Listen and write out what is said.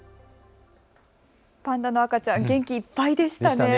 パンダの赤ちゃん、元気いっぱいでしたね。